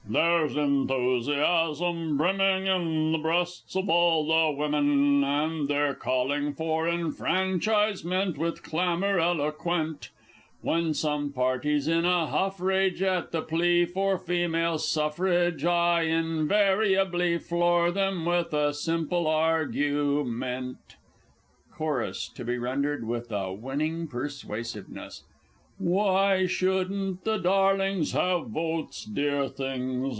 There's enthusiasm brimming in the breasts of all the women, And they're calling for enfranchisement with clamour eloquent: When some parties in a huff rage at the plea for Female Suffrage, I invariably floor them with a simple argu ment. Chorus (to be rendered with a winning persuasiveness). Why shouldn't the darlings have votes? de ar things!